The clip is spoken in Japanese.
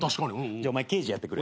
じゃあお前刑事やってくれ。